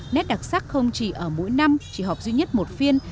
nét đặc sắc không chỉ ở mỗi năm chỉ họp duy nhất một phiên